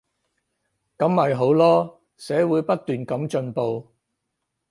噉咪好囉，社會不斷噉進步